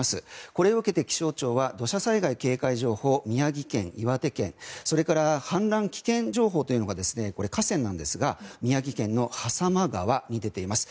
これを受けて、気象庁は土砂災害警戒情報を宮城県、岩手県それから氾濫危険情報というのが河川なんですが宮城県の迫川に出ています。